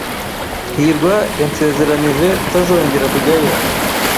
hirwa yansezeranije kutazongera kujyayo.